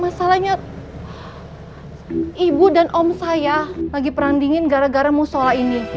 masalahnya ibu dan om saya lagi perang dingin gara gara musola ini